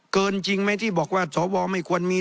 เกินจริงไหมที่บอกว่าสวไม่ควรมี